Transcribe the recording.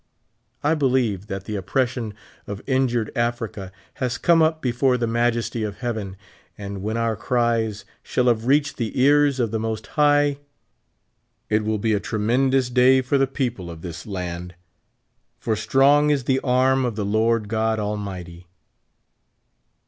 I believe that the oppression of injured Africa has come up before the Majesty of Heaven ; and when our cries shall have reached the ears of the ^lost High, it mil be a tremendous day for the people of this J 78 land ; for strong is the arm of the Lord God Almighty.